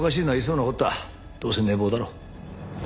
どうせ寝坊だろ。